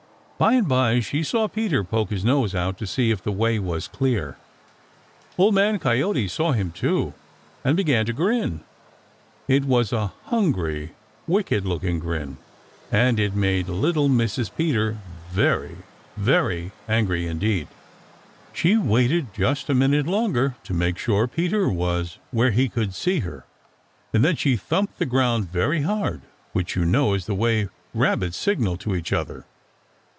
By and by she saw Peter poke his nose out to see if the way was clear. Old Man Coyote saw him too, and began to grin. It was a hungry, wicked looking grin, and it made little Mrs. Peter very, very angry indeed. She waited just a minute longer to make sure that Peter was where he could see her, and then she thumped the ground very hard, which, you know, is the way Rabbits signal to each other.